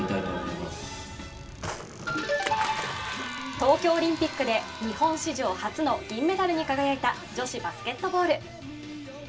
東京オリンピックで日本史上初の銀メダルに輝いた女子バスケットボール。